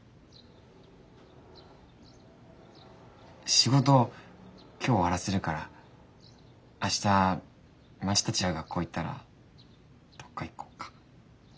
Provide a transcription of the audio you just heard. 仕事今日終わらせるから明日まちたちが学校行ったらどっか行こっか。